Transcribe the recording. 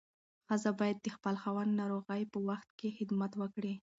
ښځه باید د خپل خاوند ناروغۍ په وخت کې خدمت وکړي.